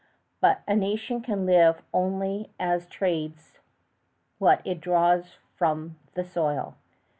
But a nation can live only as it trades what it draws from the soil.